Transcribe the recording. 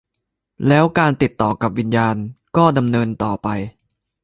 แล้วการติดต่อกับวิญญานก็ดำเนินต่อไป